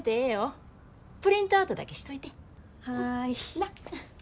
なっ。